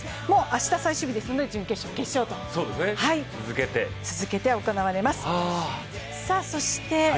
明日最終日ですので、準決勝、決勝と続けて行われます。